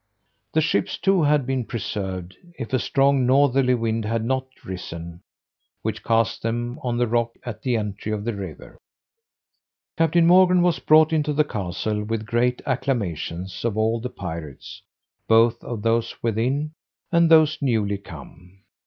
The ships, too, had been preserved, if a strong northerly wind had not risen, which cast them on the rock at the entry of the river. Captain Morgan was brought into the castle with great acclamations of all the pirates, both of those within, and those newly come.